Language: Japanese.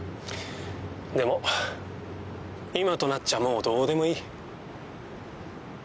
でも今となっちゃもうどうでもいい。